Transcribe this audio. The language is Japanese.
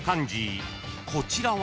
こちらは］